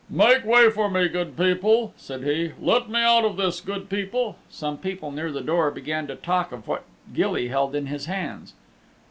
"Make way for me, good people," said he. "Let me out of this, good people." Some people near the door began to talk of what Gilly held in his hands.